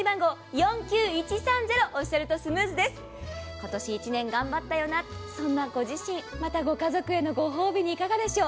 今年１年頑張ったよなとご自身、またご家族への御褒美にいかがでしょう？